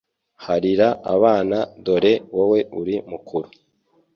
Harira abana dore wowe uri mukuru